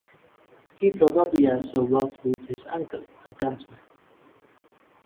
He probably also worked with his uncle, a gunsmith.